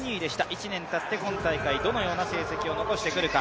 １年たって今大会、どのような成績を残してくるか。